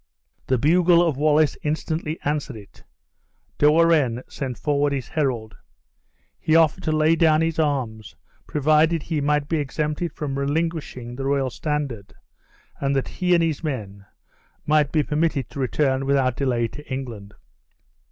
The bugle of Wallace instantly answered it. De Warenne sent forward his herald. He offered to lay down his arms, provided he might be exempted from relinquishing the royal standard, and that he and his men might be permitted to return without delay to England.